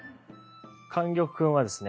莟玉君はですね